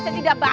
atau tidak banah